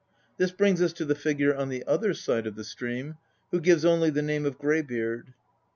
This brings us to the figure on the other side of the stream, who gives only the name of Greybeard.